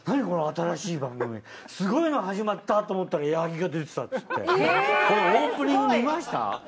この新しい番組すごいの始まったと思ったら矢作が出てたっつってこれオープニング見ました？